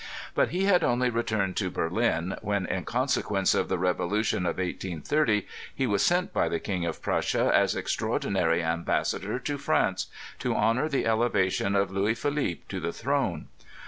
But he had hardly returned to Ber lin, when in consequence of the revolution of 1880, he was sent by the King of Prussia as extraordinary ambassador to France, to honor the elevation of Louis Philippe to the throne.